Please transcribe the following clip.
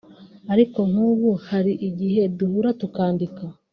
Ariko nk’ubu hari igihe duhura tukandika